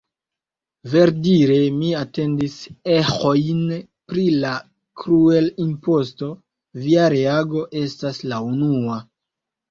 Verdire, mi atendis eĥojn pri la "kruel-imposto", via reago estas la unua.